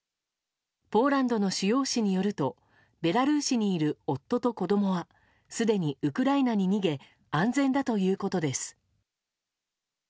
ポーランドの主要紙によるとベラルーシにいる夫と子供はすでにウクライナに逃げ安全だということです。